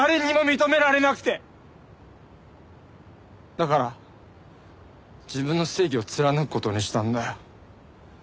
だから自分の正義を貫く事にしたんだよ。